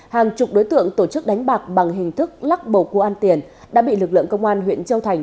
hàng chục đối tượng tổ chức đánh bạc bằng hình thức lắc bầu cua ăn tiền đã bị lực lượng công an huyện châu thành